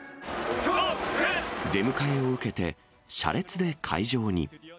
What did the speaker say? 出迎えを受けて、車列で会場に。